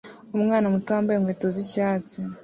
Umwana muto wambaye inkweto z'icyatsi